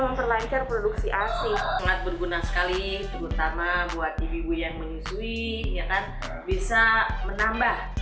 memperlancar produksi asing sangat berguna sekali terutama buat ibu yang menyusui bisa menambah